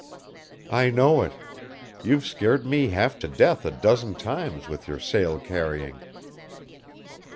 "I know it; you've scared me half to death a dozen times with your sail carrying."